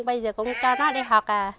bây giờ cũng cho nó đi học à